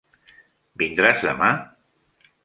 Vindràs demà?